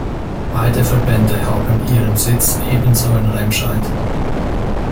Beide Verbände haben ihren Sitz ebenso in Remscheid.